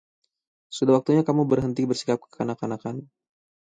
Sudah waktunya kamu berhenti bersikap kekanak-kanakan.